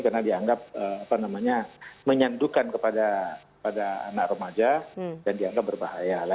karena dianggap menyandukan kepada anak remaja dan dianggap berbahaya